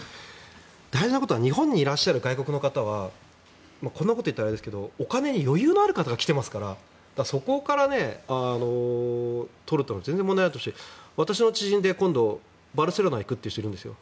大切なのは日本にいらっしゃる外国の方はこんなこと言ったらあれですがお金に余裕のある方が来ていますからそこから取るというのは全然問題ないとして私の知人で今度バルセロナへ行く人がいるんです。